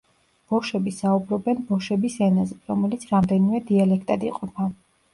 ბოშები საუბრობენ ბოშების ენაზე, რომელიც რამდენიმე დიალექტად იყოფა.